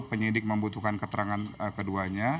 penyidik membutuhkan keterangan keduanya